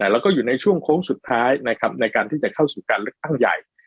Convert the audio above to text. แล้วก็อยู่ในช่วงโค้งสุดท้ายนะครับในการที่จะเข้าสู่การเลือกตั้งใหญ่